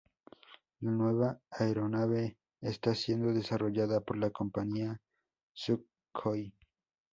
La nueva aeronave está siendo desarrollada por la compañía Sukhoi.